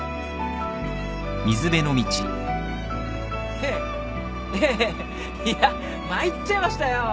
ええええいや参っちゃいましたよ。